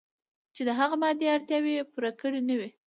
چې د هغه مادي اړتیاوې پوره کړې نه وي.